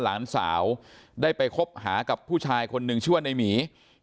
หลานสาวได้ไปคบหากับผู้ชายคนหนึ่งชื่อว่าในหมี